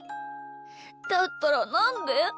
だったらなんで？